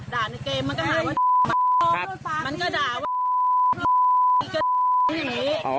ในเกมมันก็หาว่ามันก็ด่าว่าอย่างนี้